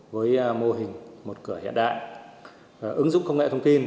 với mô hình một cửa hiện đại ứng dụng công nghệ thông tin